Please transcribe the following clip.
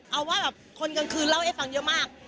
เอาว่าแบบคนกลางคืนเล่าให้ฟังเยอะมาก